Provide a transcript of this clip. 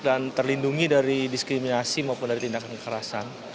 dan terlindungi dari diskriminasi maupun dari tindakan kekerasan